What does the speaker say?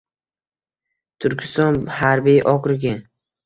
Turkiston harbiy okrugi